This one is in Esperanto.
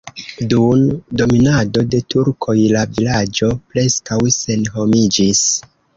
Dun dominado de turkoj la vilaĝo preskaŭ senhomiĝis.